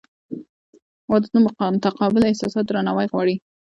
• واده د متقابل احساساتو درناوی غواړي.